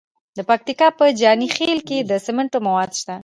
د پکتیا په جاني خیل کې د سمنټو مواد شته.